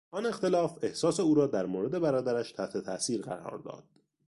آن اختلاف احساس او را در مورد برادرش تحت تاثیر قرار داد.